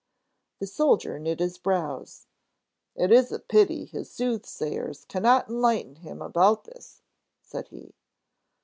The soldier knit his brows. "It is a pity his soothsayers can not enlighten him about this," said he.